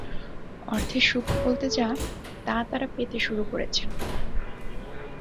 অর্থের সুখ বলতে যা, তা তাঁরা পেতে শুরু করেছেন।